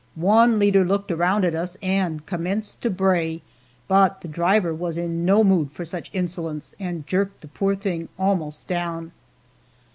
One leader looked around at us and commenced to bray, but the driver was in no mood for such insolence, and jerked the poor thing almost down.